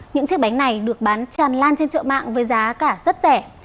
những chiếc bánh này được bán tràn lan trên chợ mạng với giá cả rất rẻ